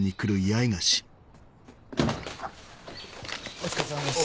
お疲れさまです。